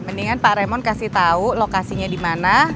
mendingan pak raymond kasih tau lokasinya dimana